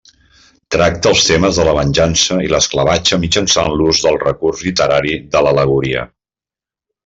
Tracta els temes de la venjança i l'esclavatge mitjançant l'ús del recurs literari de l'al·legoria.